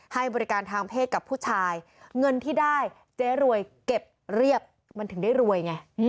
ให้บริการทางเพศกับผู้ชายเงินที่ได้เจ๊รวยเก็บเรียบมันถึงได้รวยไง